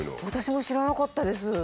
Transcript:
私も知らなかったです。